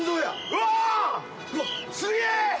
うわすげえ！